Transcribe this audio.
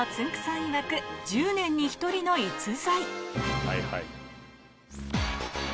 いわく１０年に１人の逸材。